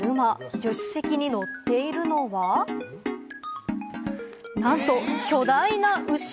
助手席に乗っているのは、なんと巨大な牛！